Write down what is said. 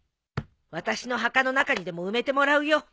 私の墓の中にでも埋めてもらうよ。